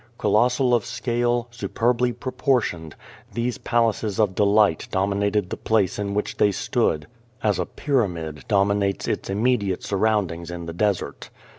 Colossal of scale, superbly proportioned, these palaces of delight dominated the place in which they stood, as a pyramid dominates its immediate surroundings in the desert.